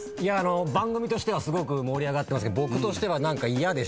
番組としてはすごく盛り上がってますが僕としては何か嫌でしたね。